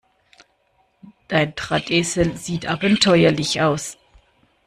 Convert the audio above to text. Dein Drahtesel sieht abenteuerlich aus.